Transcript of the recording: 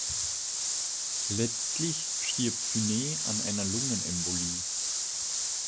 Letztlich stirbt Funes an einer Lungenembolie.